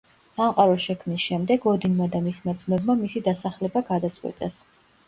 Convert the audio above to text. სამყაროს შექმნის შემდეგ, ოდინმა და მისმა ძმებმა მისი დასახლება გადაწყვიტეს.